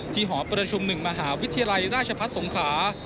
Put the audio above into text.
หอประชุม๑มหาวิทยาลัยราชพัฒน์สงขลา